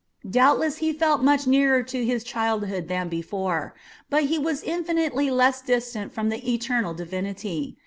Doubtless he felt much nearer to his childhood than before, but he was infinitely less distant from the eternal divinity.